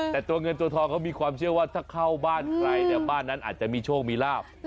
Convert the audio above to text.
แต่ตัวเงินตัวทองเขามีความเชื่อว่าถ้าเข้าบ้านใครเนี่ยบ้านนั้นอาจจะมีโชคมีลาบ